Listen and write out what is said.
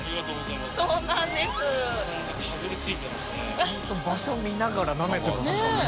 ちゃんと場所見ながらなめてますもんね。